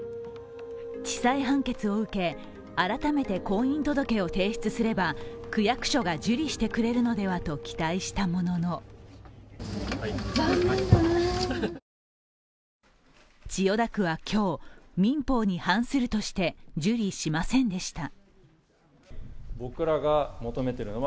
地裁判決を受け、改めて婚姻届を提出すれば区役所が受理してくれるのではと期待したものの千代田区は今日、民法に反するとして受理しませんでした。